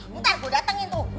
bentar gue datengin tuh